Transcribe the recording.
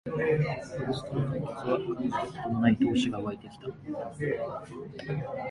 古巣との対決は感じたことのない闘志がわいてきた